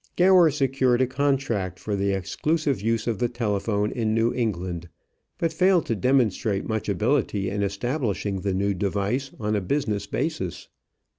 Gower secured a contract for the exclusive use of the telephone in New England, but failed to demonstrate much ability in establishing the new device on a business basis.